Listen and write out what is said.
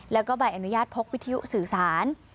แล้วก็ใบอนุญาตพกวิทยุสื่อสาร